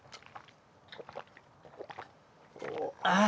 ああ！